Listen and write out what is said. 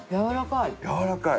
やわらかい。